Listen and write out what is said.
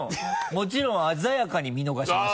もちろん鮮やかに見逃しますよ。